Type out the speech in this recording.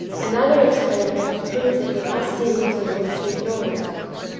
"Another experiment proves that he must see it in order to ignore it.